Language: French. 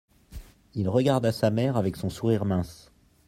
Il regarda sa mère avec son sourire mince.